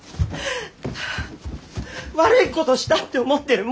悪いことしたって思ってる。